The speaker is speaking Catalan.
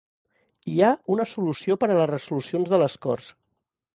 Hi ha una solució per a les resolucions de les Corts